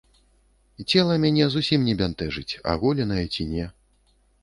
Цела мяне зусім не бянтэжыць, аголенае ці не.